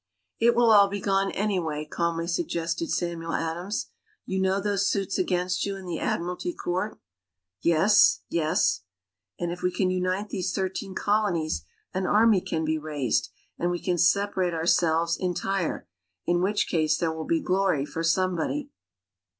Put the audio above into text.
"It will all be gone, anyway," calmly suggested Samuel Adams. "You know those suits against you in the Admiralty Court?" "Yes, yes!" "And if we can unite these thirteen Colonies an army can be raised, and we can separate ourselves entire, in which case there will be glory for somebody."